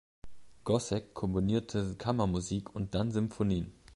Gossec komponierte Kammermusik und dann Symphonien.